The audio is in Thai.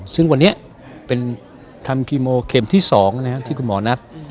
ซึ่งวันนี้เป็นทำคีโมเข็มที่๒ที่คุณหมอนัด